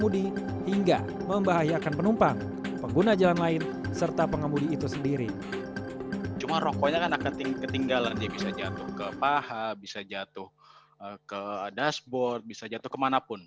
dia bisa jatuh ke paha bisa jatuh ke dashboard bisa jatuh ke manapun